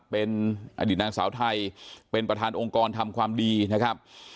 เป็นอดีตนางสาวไทยเป็นประธานองค์กรทำความดีนะครับ